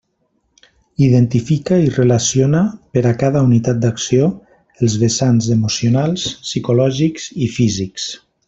Identifica i relaciona, per a cada unitat d'acció, els vessants emocionals, psicològics i físics.